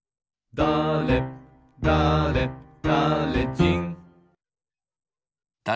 だれだれだれだれ